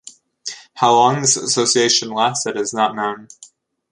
How long this association lasted is not known.